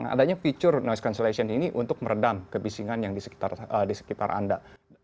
adanya feature noise consullation ini untuk meredam kebisingan yang di sekitar anda